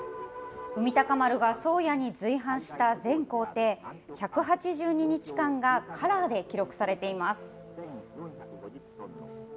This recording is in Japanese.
海鷹丸が宗谷に随行した全行程１８２日間がカラーで記録されています。